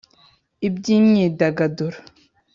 ibyimyidagaduro